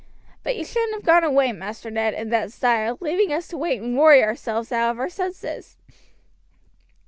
"But you shouldn't have gone away, Master Ned, in that style, leaving us to wait and worry ourselves out of our senses."